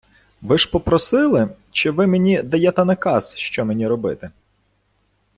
Ви ж попросили чи Ви мені даєте наказ, що мені робити?